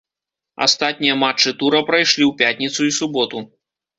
Астатнія матчы тура прайшлі ў пятніцу і суботу.